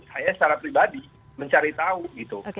saya secara pribadi mencari tahu gitu